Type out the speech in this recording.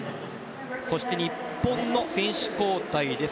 そして、日本の選手交代です。